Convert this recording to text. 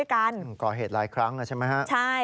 โปรดติดตามต่อไป